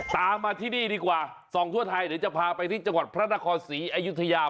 ตามมาที่นี่ดีกว่าส่องทั่วไทยเดี๋ยวจะพาไปที่จังหวัดพระนครศรีอยุธยา